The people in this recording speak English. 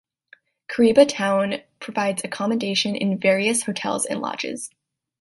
Kariba town provides accommodation in various hotels and lodges.